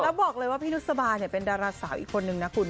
แล้วบอกเลยว่าพี่นุษบาเป็นดาราสาวอีกคนนึงนะคุณ